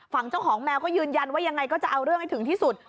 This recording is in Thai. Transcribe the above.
ฝั่งเจ้าของแมวก็ยืนยันว่ายังไงก็จะเอาเรื่องให้ถึงที่สุด